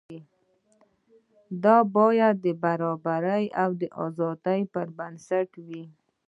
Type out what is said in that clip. دا باید د برابرۍ او ازادۍ پر بنسټ وي.